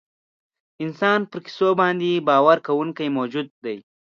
انسان پر کیسو باندې باور کوونکی موجود دی.